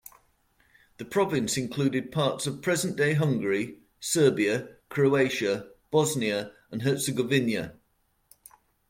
The province included parts of present-day Hungary, Serbia, Croatia, and Bosnia and Herzegovina.